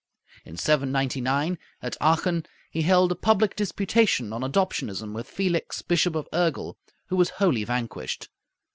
In 799, at Aachen, he held a public disputation on Adoptionism with Felix, Bishop of Urgel, who was wholly vanquished.